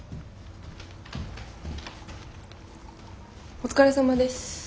お疲れさまです。